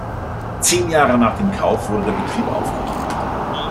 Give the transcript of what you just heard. Zehn Jahre nach dem Kauf wurde der Betrieb aufgegeben.